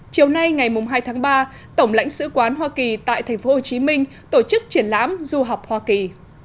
chiều nay ngày hai tháng ba tổng lãnh sự quán hoa kỳ tại tp hcm tổ chức triển lãm du học hoa kỳ